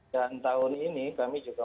dan tahun ini kami juga